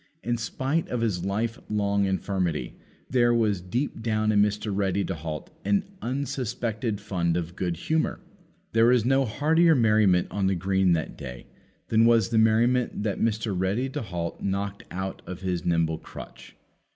In spite of his life long infirmity, there was deep down in Mr. Ready to halt an unsuspected fund of good humour. There was no heartier merriment on the green that day than was the merriment that Mr. Ready to halt knocked out of his nimble crutch.